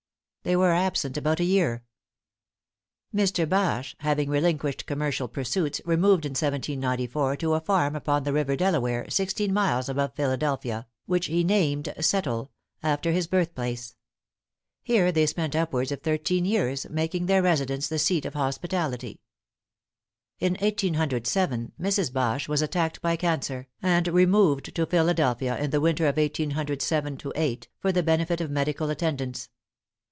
They were absent about a year. Mr. Bache, having relinquished commercial pursuits, removed in 1794 to a farm upon the river Delaware, sixteen miles above Philadelphia, which he named Settle, after his birthplace. Here they spent upwards of thirteen years, making their residence the seat of hospitality. In 1807, Mrs. Bache was attacked by cancer, and removed to Philadelphia in the winter of 1807 8, for the benefit of medical attendance.